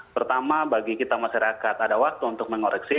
pertama bagi kita masyarakat ada waktu untuk mengoreksi